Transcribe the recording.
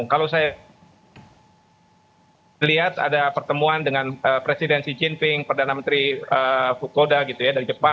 kalau saya lihat ada pertemuan dengan presiden xi jinping perdana menteri fukoda gitu ya dari jepang